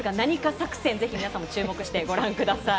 作戦ぜひ皆さんも注目してご覧ください。